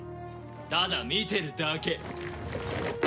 ただ見てるだけ。